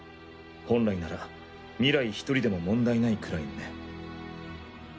本来ならミライ１人でも問題ないくらいのね。